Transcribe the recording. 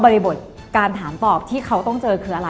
ริบทการถามตอบที่เขาต้องเจอคืออะไร